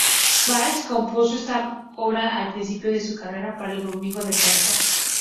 Bach compuso esta obra al principio de su carrera para el domingo de Pascua.